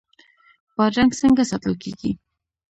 بادرنګ څنګه ساتل کیږي؟